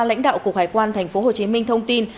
lãnh đạo cục hải quan tp hcm thông tin